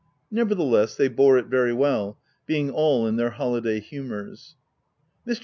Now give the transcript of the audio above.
Nevertheless, they bore it very well, being all in their holiday humours. Mr.